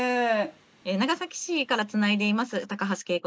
「長崎市からつないでいます高橋佳子といいます。